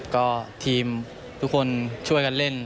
ก็ทีมทุกคนช่วยกันเล่น